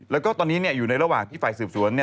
แล้วก็ตอนนี้อยู่ในระหว่างที่ฝ่ายสืบสวน